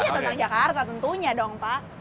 tentang jakarta tentunya dong pak